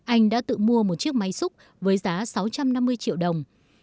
anh đã tự mua một chiếc máy xúc với giá sáu trăm năm mươi triệu đồng